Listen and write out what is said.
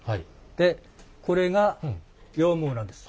でこれが羊毛なんです。